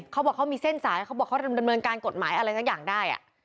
เขาบอกเขามีเส้นสายเขาบอกเขาดำเนินการกฎหมายอะไรสักอย่างได้